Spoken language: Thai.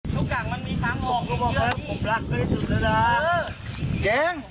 ลูกเรียกนะแจ่ง